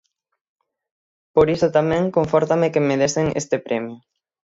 Por iso tamén, confórtame que me desen este premio.